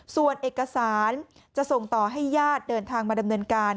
ส่วนเอกสารจะส่งต่อให้ญาติเดินทางมาดำเนินการ